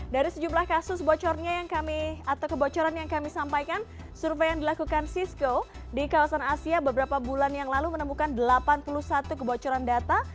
dari sejumlah kasus kebocoran yang kami sampaikan survei yang dilakukan cisco di kawasan asia beberapa bulan yang lalu menemukan delapan puluh satu kebocoran data